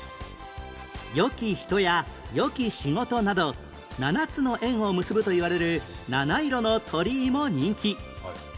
よき人やよき仕事など七つの縁を結ぶといわれる七色の鳥居も人気